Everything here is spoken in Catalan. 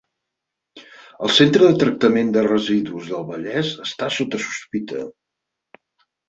El Centre de tractament de residus del Vallès està sota sospita